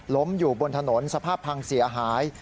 อยู่บนถนนสภาพพังเสียหาย